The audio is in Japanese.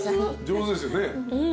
上手ですよね。